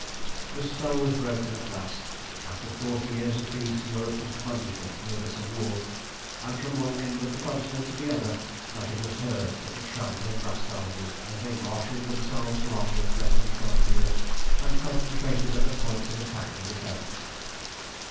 The spell was broken at last. After forty years of peace, Europe plunged into the abyss of war; and from one end of the Continent to the other nothing was heard but the tramp of vast armies as they marshalled themselves along the threatened frontiers, and concentrated at the points of attack and defence.